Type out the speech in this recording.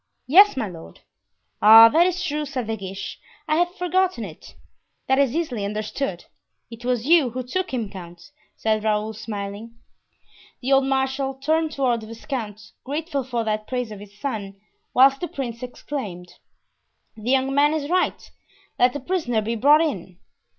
"Yes, my lord." "Ah, that is true," said De Guiche; "I had forgotten it." "That is easily understood; it was you who took him, count," said Raoul, smiling. The old marshal turned toward the viscount, grateful for that praise of his son, whilst the prince exclaimed: "The young man is right; let the prisoner be brought in."